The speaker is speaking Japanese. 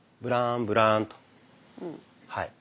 はい。